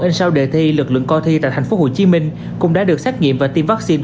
in sao đề thi lực lượng co thi tại thành phố hồ chí minh cũng đã được xét nghiệm và tiêm vaccine